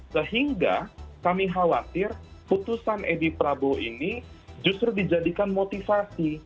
sehingga kami khawatir putusan edi prabowo ini justru dijadikan motivasi